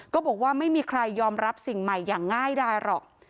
ก็บอกว่าไม่มีใครยอมรับสิ่งใหม่อย่างง่ายดายหรอก